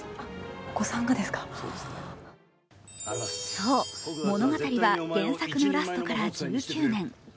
そう、物語は原作のラストから１９年。